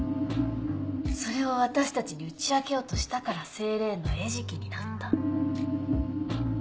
それを私たちに打ち明けようとしたからセイレーンの餌食になった。